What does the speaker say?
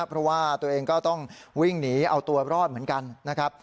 เพราะว่าตัวเองก็ต้องวิ่งหนีเอาตัวรอดเหมือนกันนะครับ